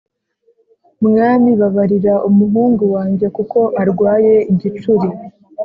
Mwami babarira umuhungu wanjye kuko arwaye igicuri